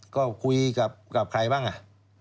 ก็คุยกับใครบ้างอ่ะ